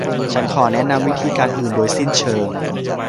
ฉันขอแนะนำวิธีการอื่นโดยสิ้นเชิง